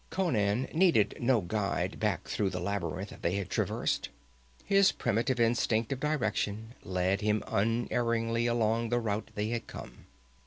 Conan needed no guide back through the labyrinth they had traversed. His primitive instinct of direction led him unerringly along the route they had come.